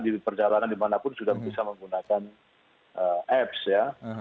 di perjalanan dimanapun sudah bisa menggunakan apps ya